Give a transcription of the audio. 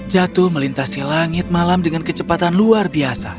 jatuh melintasi langit malam dengan kecepatan luar biasa